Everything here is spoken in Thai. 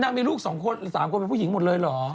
อ๋อนั่งมีลูกสองคนหรือสามคนเป็นผู้หญิงหมดเลยเหรอ